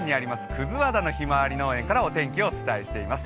葛和田のひまわり農園からお天気をお伝えしています。